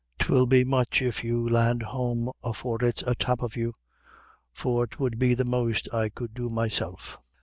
'Twill be much if you land home afore it's atop of you; for 'twould be the most I could do myself."